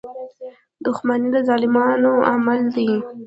• دښمني د ظالمانو عمل دی.